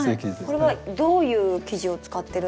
これはどういう生地を使ってるんですか？